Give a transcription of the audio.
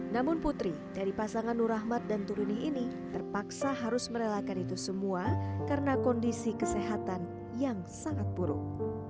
namun putri dari pasangan nur rahmat dan turuni ini terpaksa harus merelakan itu semua karena kondisi kesehatan yang sangat buruk